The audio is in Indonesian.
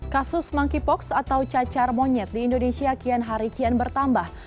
kasus monkeypox atau cacar monyet di indonesia kian hari kian bertambah